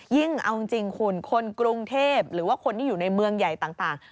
เอาจริงคุณคนกรุงเทพหรือว่าคนที่อยู่ในเมืองใหญ่ต่าง